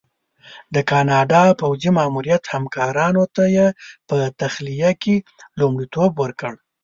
د کاناډا پوځي ماموریت همکارانو ته یې په تخلیه کې لومړیتوب ورکړی.